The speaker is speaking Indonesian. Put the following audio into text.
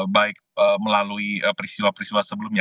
baik melalui peristiwa peristiwa sebelumnya